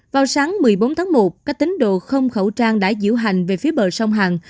vào sáng một mươi bốn tháng một các tính đồ không khẩu trang đã diễu hành về phía bờ sông hàn